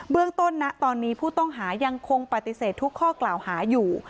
เรื่องต้นนะตอนนี้ผู้ต้องหายังคงปฏิเสธทุกข้อกล่าวหาอยู่